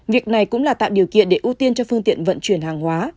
việc này cũng là tạo điều kiện để ưu tiên cho phương tiện vận chuyển hàng hóa